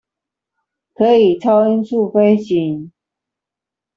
可以超音速飛行